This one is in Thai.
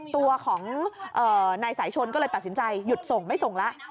ตัวของนายสายชนก็เลยตัดสินใจหยุดส่งไม่ส่งแล้ว